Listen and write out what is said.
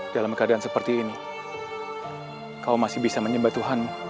dalam keadaan seperti ini kau masih bisa menyembah tuhanmu